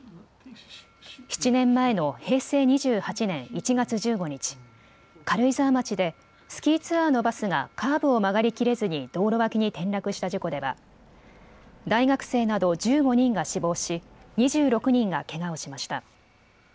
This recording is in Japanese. ７年前の平成２８年１月１５日、軽井沢町でスキーツアーのバスがカーブを曲がりきれずに道路脇に転落した事故では大学生など１５人が死亡し２６人がけがをしました。